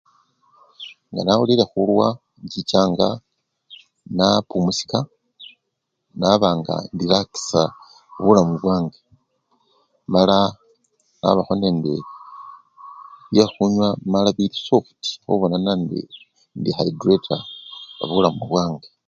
Nganawulile khuluwa, inchichanga napumusika nabanga indirakisa bulamu bwange mala nabakho nende byekhunywa mala bilisofuti khubona nandi indikhakureta bulamu bwange.